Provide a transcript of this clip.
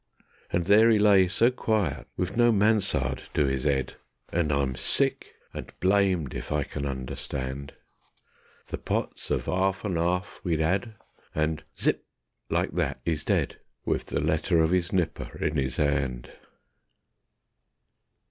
And there 'e lay so quiet wiv no mansard to 'is 'ead, And I'm sick, and blamed if I can understand: The pots of 'alf and 'alf we've 'ad, and ZIP! like that 'e's dead, Wiv the letter of 'is nipper in 'is 'and.